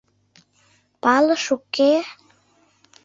Палыш, уке?